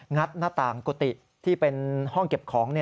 ัดหน้าต่างกุฏิที่เป็นห้องเก็บของ